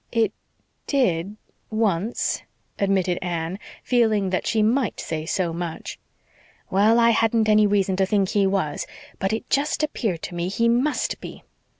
"It did once," admitted Anne, feeling that she might say so much. "Well, I hadn't any reason to think he was, but it just appeared to me he MUST be.